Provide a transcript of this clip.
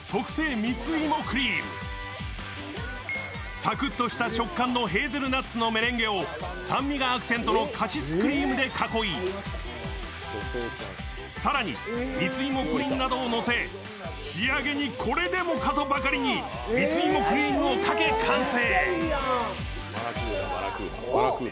さくっとした食感のヘーゼルナッツのメレンゲを酸味がアクセントのカシスクリームで囲い、更に蜜芋プリンなどをのせ、仕上げでこれでもかとばかりに蜜芋クリームをかけ完成。